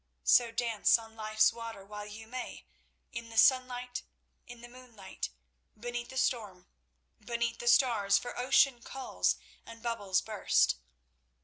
So dance on life's water while you may, in the sunlight, in the moonlight, beneath the storm, beneath the stars, for ocean calls and bubbles burst.